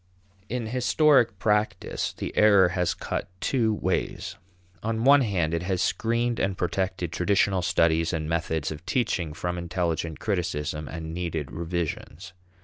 In historic practice the error has cut two ways. On one hand, it has screened and protected traditional studies and methods of teaching from intelligent criticism and needed revisions.